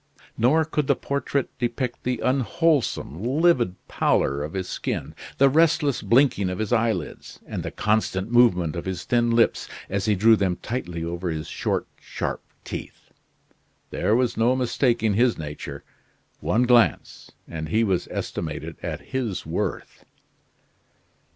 Nor could the portrait depict the unwholesome, livid pallor of his skin, the restless blinking of his eyelids, and the constant movement of his thin lips as he drew them tightly over his short, sharp teeth. There was no mistaking his nature; one glance and he was estimated at his worth.